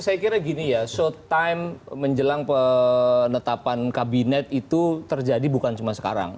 saya kira gini ya short time menjelang penetapan kabinet itu terjadi bukan cuma sekarang